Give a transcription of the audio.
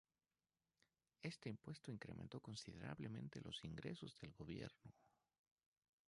Este impuesto incrementó considerablemente los ingresos del gobierno.